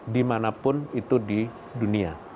dimanapun itu di dunia